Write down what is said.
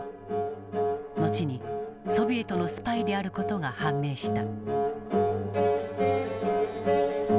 後にソビエトのスパイである事が判明した。